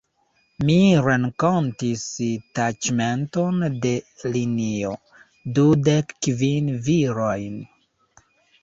Mi renkontis taĉmenton de linio: dudek kvin virojn.